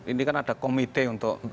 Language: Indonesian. ini kan ada komite untuk